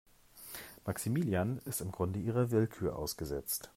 Maximilian ist im Grunde ihrer Willkür ausgesetzt.